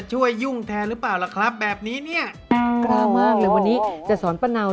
ซาบ้าก็คือเนี่ยรูปซาบ้า